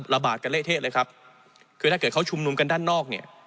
ระบาดกันเละเทะเลยครับคือถ้าเกิดเขาชุมนุมกันด้านนอกเนี่ย